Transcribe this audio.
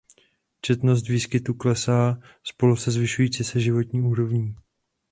Četnost výskytu klesá spolu se zvyšující se životní úrovní.